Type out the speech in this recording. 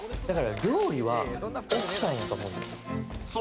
料理は奥さんだと思うんですよ。